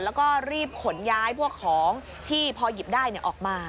แล้วก็รีบขนย้ายพวกของที่พอหยิบได้ออกมา